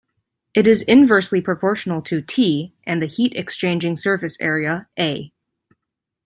It is inversely proportional to "T" and the heat-exchanging surface area "A".